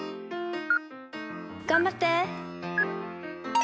頑張って！